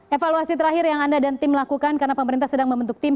evaluasi terakhir yang anda dan tim lakukan karena pemerintah sedang membentuk tim